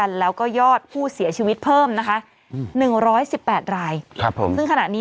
ด้วยกันแล้วก็ยอดผู้เสียชีวิตเพิ่มนะคะหนึ่งร้อยสิบแปดรายครับผมซึ่งขนาดนี้